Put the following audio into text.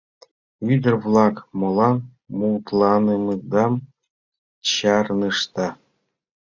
— Ӱдыр-влак, молан мутланымыдам чарнышда?